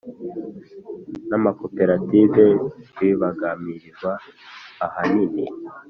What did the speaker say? N amakoperative bibangamirwa ahanini